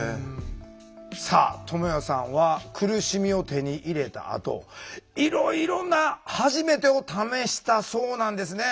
さあともやさんは苦しみを手に入れたあといろいろな「はじめて」を試したそうなんですね。